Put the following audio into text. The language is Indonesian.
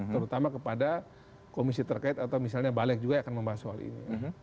terutama kepada komisi terkait atau misalnya balek juga yang akan membahas soal ini